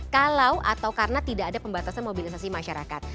kalau atau karena tidak ada pembatasan mobilisasi masyarakat